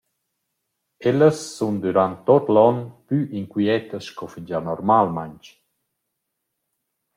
Ellas sun dürant tuot l’on plü inquiettas sco fingià normalmaing.